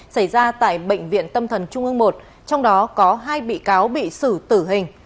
xảy ra tại bệnh viện tâm thần trung ương một trong đó có hai bị cáo bị xử tử hình